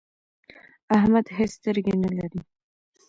احمد هيڅ سترګې نه لري.